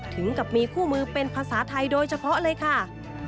ถึงกับมีคู่มือเป็นภาษาไทยโดยเฉพาะเลยค่ะ